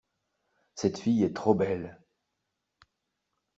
Cette fille est trop belle.